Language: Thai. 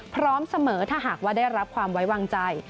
พร้อมเสมอถ้าหากว่าได้รับความไว้วางใจ